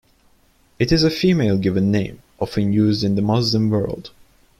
It is a female given name, often used in the Muslim world.